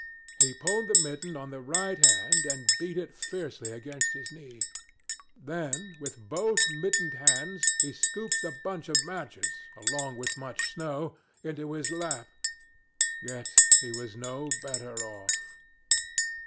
He pulled the mitten on the right hand, and beat it fiercely against his knee. Then, with both mittened hands, he scooped the bunch of matches, along with much snow, into his lap. Yet he was no better off.